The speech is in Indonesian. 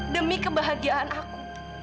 demi kebahagiaan aku